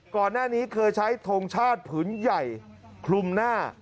ก่อนหน้านี้เคยใช้ทงชาติผืนใหญ่คลุมหน้า